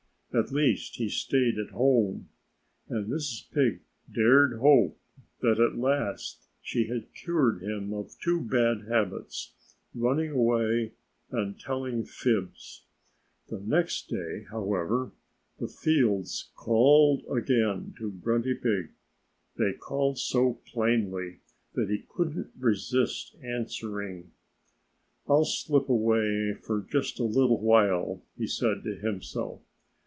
At least, he stayed at home. And Mrs. Pig dared hope that at last she had cured him of two bad habits running away and telling fibs. The next day, however, the fields called again to Grunty Pig. They called so plainly that he couldn't resist answering. "I'll slip away for just a little while," he said to himself.